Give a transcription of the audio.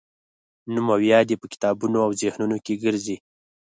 نوم او یاد یې په کتابونو او ذهنونو کې ګرځي.